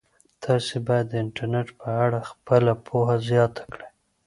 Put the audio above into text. تاسي باید د انټرنيټ په اړه خپله پوهه زیاته کړئ.